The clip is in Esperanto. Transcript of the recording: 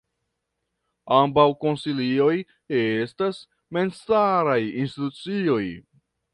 Ambaŭ konsilioj estas memstaraj institucioj.